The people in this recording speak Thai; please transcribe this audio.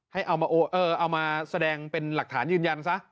เอามาแสดงเป็นหลักฐานยืนยันซะ